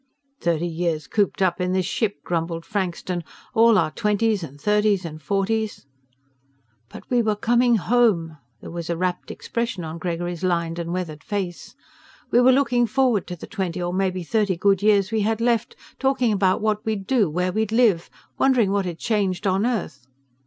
"Thirty years cooped up in this ship," grumbled Frankston. "All our twenties and thirties and forties ..." "But we were coming home." There was a rapt expression on Gregory's lined and weathered face. "We were looking forward to the twenty or maybe thirty good years we had left, talking about what we'd do, where we'd live, wondering what had changed on Earth.